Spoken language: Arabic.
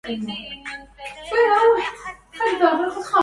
يا خليلي بل لست لي بخليل